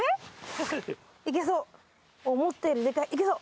いけそう、思ったよりでかい、いけそう。